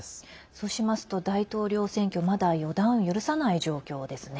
そうしますと、大統領選挙まだ予断を許さない状況ですね。